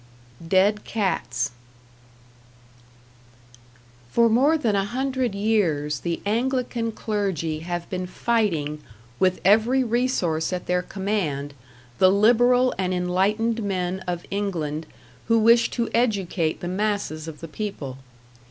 #Dead Cats# For more than a hundred years the Anglican clergy have been fighting with every resource at their command the liberal and enlightened men of England who wished to educate the masses of the people.